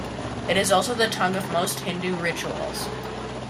It is also the tongue of most Hindu rituals.